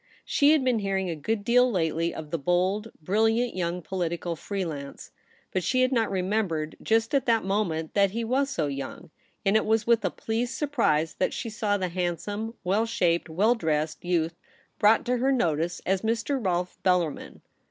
She had been hearing a good deal lately of the bold, brilliant young political free lance ; but she had not remembered just at that moment that he was so young, and it was with a pleased surprise that she saw the hand some, well shaped, well dressed youth brought to her notice as Mr. Rolfe Bellarmin.